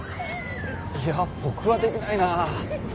いや僕はできないなあ。